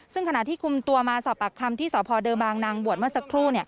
ซึ่งขณะที่คุมตัวมาสอบปากคำที่สพเดิมบางนางบวชเมื่อสักครู่